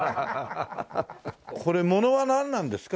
これものはなんなんですか？